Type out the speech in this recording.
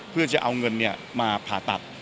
เพื่อจะเอาเงินมาผ่าตัด